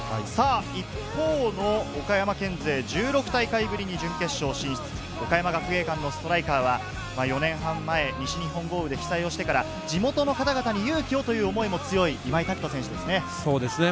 一方の岡山県勢１６大会ぶりに準決勝進出、岡山学芸館のストライカーは４年半前、西日本豪雨で被災して地元の方々に勇気をという思いも強い今井拓人選手ですね。